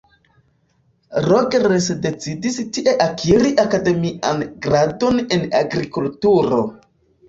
Rogers decidis tie akiri akademian gradon en agrikulturo.